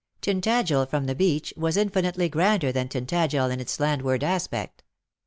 Tintagel from the beach was infinite] y grander than Tintagel in its landward aspect.